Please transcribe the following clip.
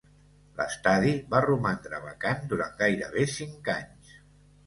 L'estadi va romandre vacant durant gairebé cinc anys.